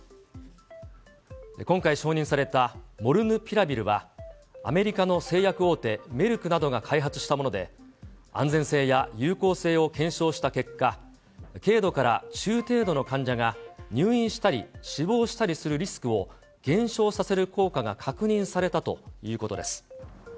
今回承認されたモルヌピラビルは、アメリカの製薬大手、メルクなどが開発したもので、安全性や有効性を検証した結果、軽度から中程度の患者が入院したり死亡したりするリスクを減少させる効果が確認されたということです。